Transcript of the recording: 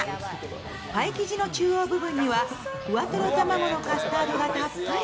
パイ生地の中央部分には、ふわとろ卵のカスタードがたっぷり。